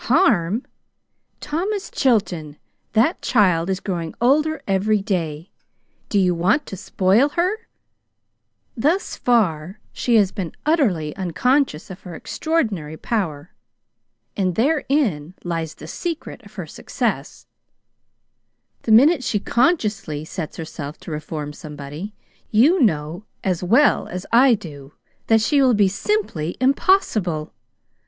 "Harm! Thomas Chilton, that child is growing older every day. Do you want to spoil her? Thus far she has been utterly unconscious of her extraordinary power. And therein lies the secret of her success. The minute she CONSCIOUSLY sets herself to reform somebody, you know as well as I do that she will be simply impossible.